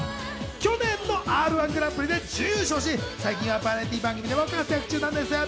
去年のＲ−１ぐらんぷりで準優勝し、最近はバラエティー番組でも活躍中なんです。